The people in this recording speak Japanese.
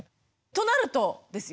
となるとですよ